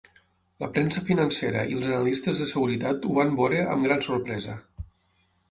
La premsa financera i els analistes de seguretat ho van veure amb gran sorpresa.